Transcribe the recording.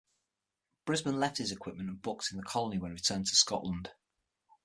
Brisbane left his equipment and books in the colony when he returned to Scotland.